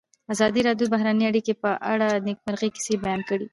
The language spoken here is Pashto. ازادي راډیو د بهرنۍ اړیکې په اړه د نېکمرغۍ کیسې بیان کړې.